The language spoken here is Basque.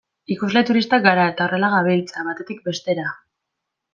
Ikusle turistak gara, eta horrela gabiltza, batetik bestera.